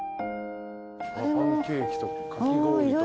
パンケーキとかき氷と。